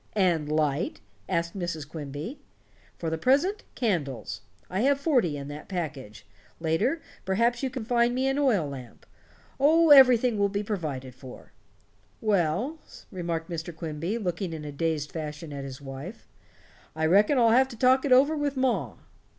"And light?" asked Mrs. Quimby. "For the present, candles. I have forty in that package. Later, perhaps you can find me an oil lamp. Oh, everything will be provided for." "Well," remarked Mr. Quimby, looking in a dazed fashion at his wife, "I reckon I'll have to talk it over with ma."